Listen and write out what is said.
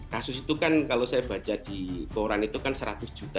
kasus itu kan kalau saya baca di koran itu kan seratus juta